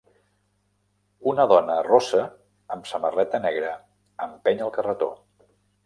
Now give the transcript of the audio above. Una dona rossa amb samarreta negra empeny el carretó.